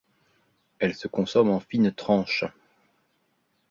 Elle se consomme en fine tranche.